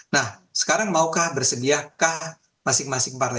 nah sekarang maukah bersediakah masing masing partai